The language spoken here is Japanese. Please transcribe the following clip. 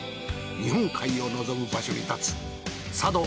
日本海を望む場所に立つＳＡＤＯ